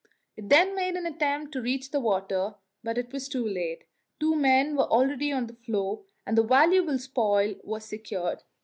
It then made an attempt to reach the water, but it was too late. Two men were already on the floe, and the valuable spoil was secured.